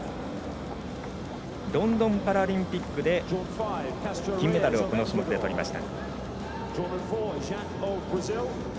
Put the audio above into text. ロンドンパラリンピックでメダルをこの種目でとりました。